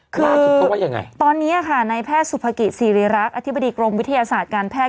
คือตอนนี้อ่ะค่ะในแพทย์สุภกิษรีรักษ์อธิบดีกรมวิทยาศาสตร์การแพทย์